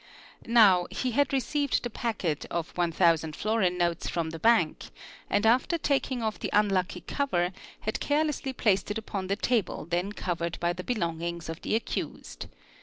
Now he had received the packet of 1,000 florin notes from the bank and after taking — off the unlucky cover had carelessly placed it upon the table then covered by the belongings of the accused.